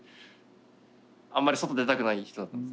あんまり外出たくない人だったんです。